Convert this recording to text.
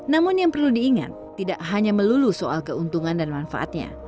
namun yang perlu diingat tidak hanya melulu soal keuntungan dan manfaatnya